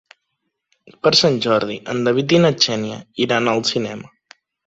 Per Sant Jordi en David i na Xènia iran al cinema.